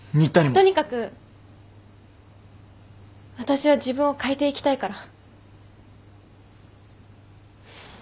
とにかく私は自分を変えていきたいから。